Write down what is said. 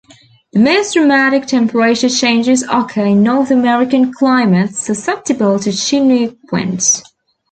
The most dramatic temperature changes occur in North American climates susceptible to Chinook winds.